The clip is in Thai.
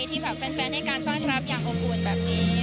ที่แบบแฟนให้การต้อนรับอย่างอบอุ่นแบบนี้